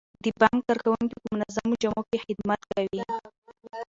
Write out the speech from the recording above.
د بانک کارکوونکي په منظمو جامو کې خدمت کوي.